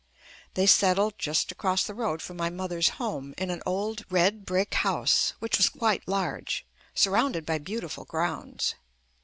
They settled just across the road from my mother's home in an old red brick house, which was quite large, surrounded by beautiful grounds.